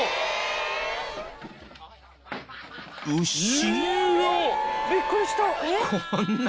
［牛？］